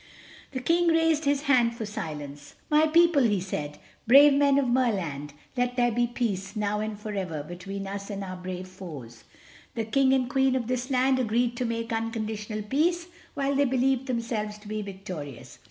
The King raised his hand for silence. "My people," he said, "brave men of Merland—let there be peace, now and forever, between us and our brave foes. The King and Queen of this land agreed to make unconditional peace while they believed themselves to be victorious.